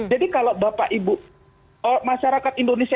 jadi kalau bapak ibu masyarakat indonesia